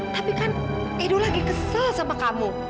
tapi kan ibu lagi kesel sama kamu